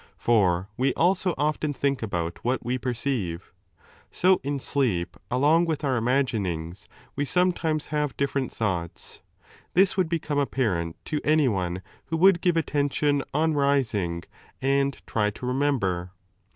For we also often think about what we perceive. So in sleep along with our imaginings we sometimes hsTO 5 different thoughts. This would become apparent to anyone who would give attention on rising and try to remember.